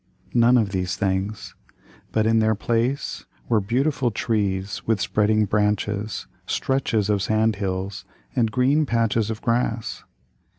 None of these things. But in their place were beautiful trees with spreading branches, stretches of sand hills, and green patches of grass.